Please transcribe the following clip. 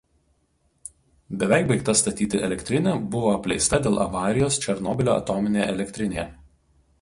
Beveik baigta statyti elektrinė buvo apleista dėl avarijos Černobylio atominėje elektrinėje.